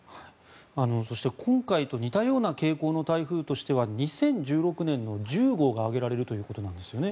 そして、今回と似たような傾向の台風としては２０１６年の１０号が挙げられるということなんですよね。